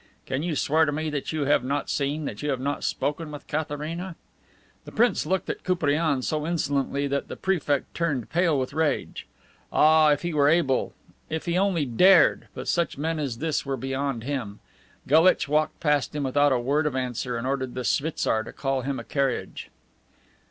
Can you swear to me that you have not seen, that you have not spoken to Katharina?" The prince looked at Koupriane so insolently that the Prefect turned pale with rage. Ah, if he were able if he only dared! but such men as this were beyond him. Galitch walked past him without a word of answer, and ordered the schwitzar to call him a carriage.